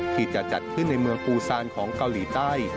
ที่จะจัดขึ้นในเมืองปูซานของเกาหลีใต้